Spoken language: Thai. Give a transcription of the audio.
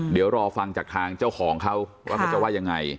เดี๋ยวรอฟังจากทางเจ้าของเขาว่าเขาจะว่ายังไง